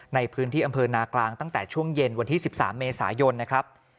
ในพื้นที่อำเภอนากลางตั้งแต่ช่วงเย็นวันที่๑๓เมษายนนะครับ